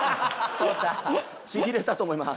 ちぎれたと思います